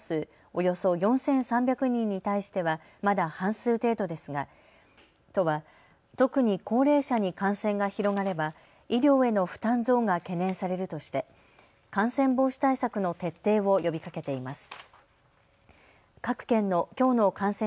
およそ４３００人に対してはまだ半数程度ですが都は特に高齢者に感染が広がれば医療への負担増が懸念されるとして感染防止対策の徹底を呼びかけています。